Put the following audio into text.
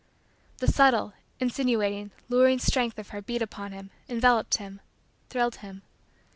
The subtle, insinuating, luring, strength of her beat upon him, enveloped him, thrilled him.